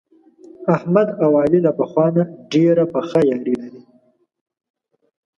احمد او علي له پخوا نه ډېره پخه یاري لري.